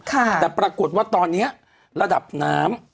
แต่ปรากฏว่าตอนนี้ระดับน้ำ